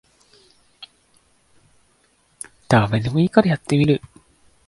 ダメでもいいからやってみる